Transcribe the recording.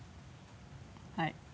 はい。